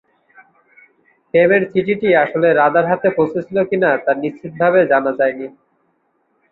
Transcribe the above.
প্রেমের চিঠিটি আসলে রাধার হাতে পৌঁছেছিল কিনা তা নিশ্চিতভাবে জানা যায়নি।